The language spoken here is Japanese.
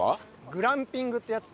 グランピングってやつ？